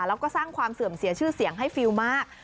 แล้วก็สร้างความเสื่อมเสียชื่อเสียงให้ฟิลมาก